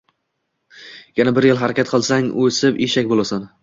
Yana bir yil harakat qilsang, o‘sib Eshak bo‘lasan.